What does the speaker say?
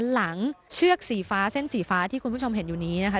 เชือกสีฟ้าเส้นสีฟ้าที่คุณผู้ชมเห็นอยู่นี้นะคะ